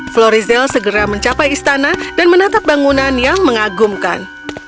florizel segera mencapai istana dan menatap bangunan yang mengagumkan